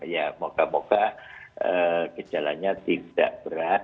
ya moga moga gejalanya tidak berat